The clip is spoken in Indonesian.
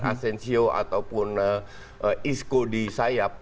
esensio ataupun isco di sayap